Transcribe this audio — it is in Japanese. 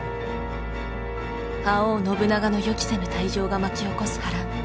覇王信長の予期せぬ退場が巻き起こす波乱。